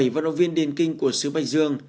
bảy vận động viên điền kinh của sứ bạch dương